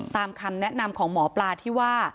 คำแนะนำของหมอปลาที่ว่า